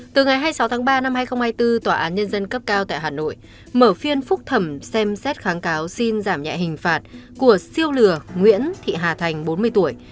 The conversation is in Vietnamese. từ ngày hai mươi sáu tháng ba năm hai nghìn hai mươi bốn tòa án nhân dân cấp cao tại hà nội mở phiên phúc thẩm xem xét kháng cáo xin giảm nhẹ hình phạt của siêu lừa nguyễn thị hà thành bốn mươi tuổi